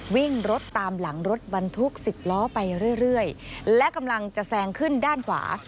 วิ่งรถตามหลังรถบรรทุก๑๐ล้อไปเรื่อยและกำลังจะแซงขึ้นด้านขวา